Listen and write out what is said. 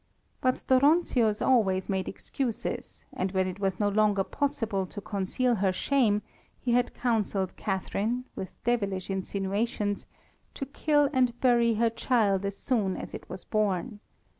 But Dóronczius always made excuses; and when it was no longer possible to conceal her shame, he had counselled Catharine, with devilish insinuations, to kill and bury her child as soon as it was born.